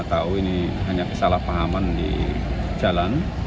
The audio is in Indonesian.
kita tahu ini hanya kesalahpahaman di jalan